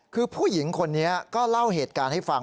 คือผู้หญิงคนนี้ก็เล่าเหตุการณ์ให้ฟัง